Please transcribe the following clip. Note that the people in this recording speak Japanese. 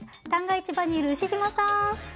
市場にいる牛島さん。